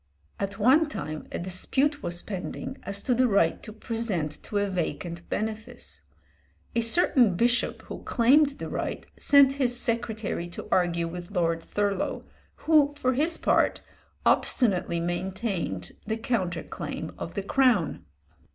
" At one time a dispute was pending as to the right to present to a vacant benefice. A certain bishop who claimed the right sent his secretary to argue with Lord Thurlow, who, for his part, obstinately maintained the counter claim of the Crown.